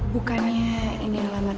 bukannya ini alamat